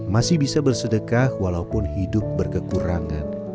masih bisa bersedekah walaupun hidup berkekurangan